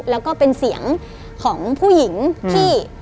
แล้วก็เป็นเสียงของผู้หญิงที่